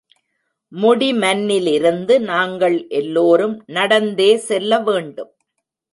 முடிமன்னிலிருந்து நாங்கள் எல்லோரும் நடந்தே செல்ல வேண்டும்.